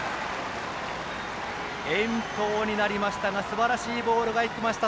遠投になりましたがすばらしいボールが行きました。